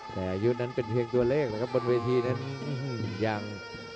แต่อายุนั้นเป็นเพียงตัวเลขนะครับบนเวทีนั้นยัง